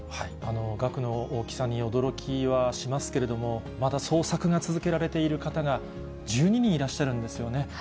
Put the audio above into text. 額の大きさに驚きはしますけれども、まだ捜索が続けられている方が、１２人いらっしゃるんですよね。